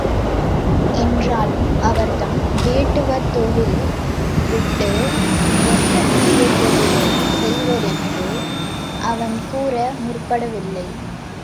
என்றாலும் அவர்தம் வேட்டுவத் தொழில் விட்டு எந்தப் புதிய தொழிலைச் செய்வது என்று அவன் கூற முற்படவில்லை.